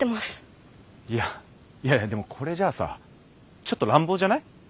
いやいやいやでもこれじゃあさちょっと乱暴じゃない？